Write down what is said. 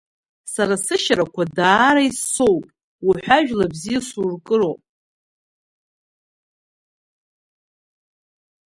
Сара сышьарақәа даара иссоуп, уҳәажәла бзиа суркыроуп!